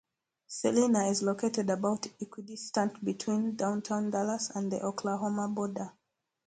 Celina is located about equidistant between downtown Dallas and the Oklahoma border.